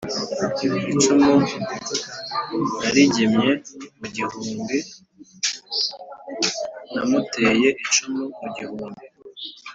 icumu narigemye mu gihumbi: namuteye icumu mu gihumbi